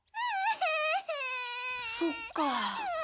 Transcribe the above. そっか。